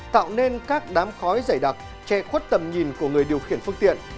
tạo nên các đám khói dày đặc che khuất tầm nhìn của người điều khiển phương tiện